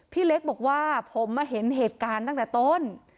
พี่เล็กบอกว่าผมมาเห็นเหตุการณ์ตั้งแต่ต้น